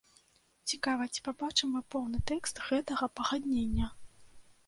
Цікава, ці пабачым мы поўны тэкст гэтага пагаднення?